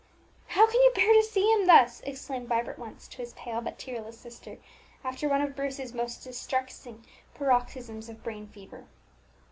"How can you bear to see him thus?" exclaimed Vibert once to his pale but tearless sister, after one of Bruce's most distressing paroxysms of brain fever.